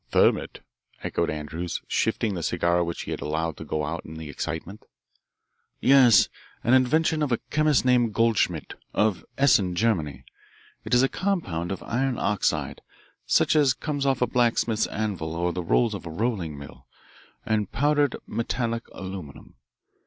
"Thermit?" echoed Andrews, shifting the cigar which he had allowed to go out in the excitement. "Yes, an invention of a chemist named Goldschmidt, of Essen, Germany. It is a compound of iron oxide, such as comes off a blacksmith's anvil or the rolls of a rolling mill, and powdered metallic aluminum.